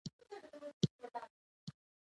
فکر مې وکړ چې د انیلا پناه ځای به دلته نه وي